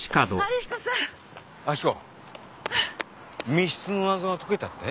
密室の謎が解けたって？